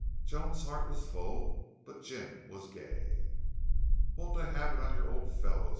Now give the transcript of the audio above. Joan's heart was full, but Jim was gay. "Won't I have it on your old fellows!"